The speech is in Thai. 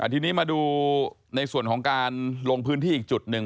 ทีนี้มาดูในส่วนของการลงพื้นที่อีกจุดหนึ่ง